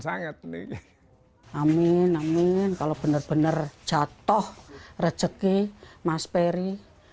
amin amin kalau benar benar jatuh rezeki mas peri